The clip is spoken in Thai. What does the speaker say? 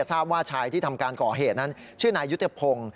ทราบว่าชายที่ทำการก่อเหตุนั้นชื่อนายยุทธพงศ์